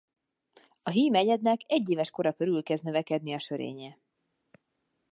A hím egyednek egyéves kora körül kezd növekedni a sörénye.